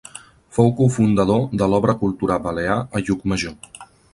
Fou cofundador de l'Obra Cultural Balear a Llucmajor.